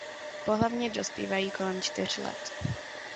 Pohlavně dospívají kolem čtyř let.